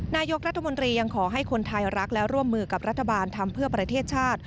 นายกรัฐมนตรียังขอให้คนไทยรักและร่วมมือกับรัฐบาลทำเพื่อประเทศชาติ